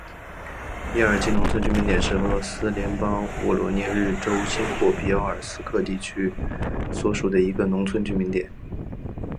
亚尔基农村居民点是俄罗斯联邦沃罗涅日州新霍皮奥尔斯克区所属的一个农村居民点。